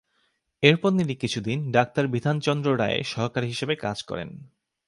এরপর তিনি কিছু দিন ডাক্তারবিধানচন্দ্র রায়ের সহকারী হিসাবে কাজ করেন।